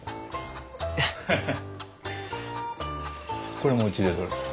これもうちで取れた。